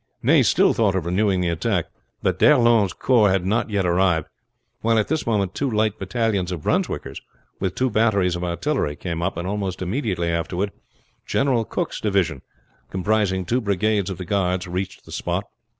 Ney still thought of renewing the attack; but D'Erlon's corps had not yet arrived, while at this moment two light battalions of Brunswickers, with two batteries of artillery, came up, and almost immediately afterward General Cooke's division, comprising two brigades of the guards, reached the spot.